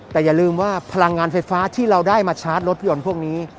แต่อย่าลืมว่าพลังงานไฟฟ้าที่เราได้มาชาร์จรถยนต์พวกนี้